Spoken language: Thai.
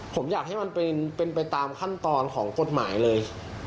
ผมอยากให้มันเป็นไปตามขั้นตอนของกฎหมายเลย